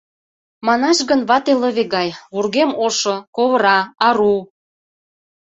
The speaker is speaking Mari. Манаш гын, вате — лыве гай: вургем ошо; ковыра, ару...